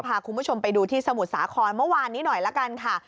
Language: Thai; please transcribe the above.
พาคุณผู้ชมไปดูที่สมุทรสาครเมื่อวานนี้หน่อยละกันค่ะ